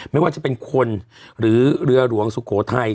ไม่ว่าจะเป็นคนหรือเรือหลวงสุโขทัย